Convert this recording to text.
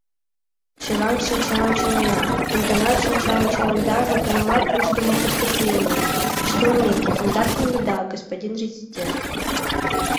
Чылан шинча ончылан, тенданат шинча ончыланда нигунамат уждымо преступленийым ыштылмеке, ондак маныда, господин резидент?!